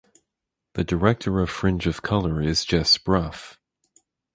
The director of Fringe of Colour is Jess Brough.